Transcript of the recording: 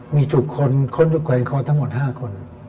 มีถูกคนคนถูกแขวนคอทั้งหมด๕คน